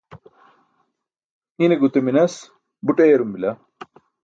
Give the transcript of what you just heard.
ine gute minas buṭ eyarum bila